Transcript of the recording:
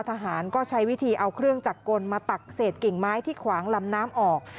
ทหารก็ใช้วิธีเอาเครื่องจักรกลมาตักเศษกิ่งไม้ที่ขวางลำน้ำออก